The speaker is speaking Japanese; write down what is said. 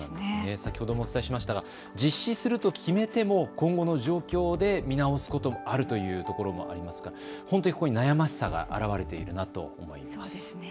先ほどもお伝えしましたが実施すると決めても今後の状況で見直すこともあるというところもありますから、本当にここに悩ましさが表れているなと思います。